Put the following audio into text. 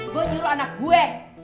gue nyuruh anak gue